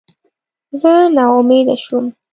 زه ناامیده شوم.